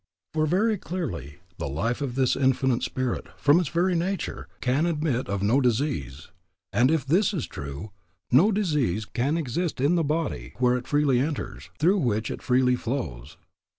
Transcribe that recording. For very clearly, the life of this Infinite Spirit, from its very nature, can admit of no disease; and if this is true, no disease can exist in the body where it freely enters, through which it freely flows.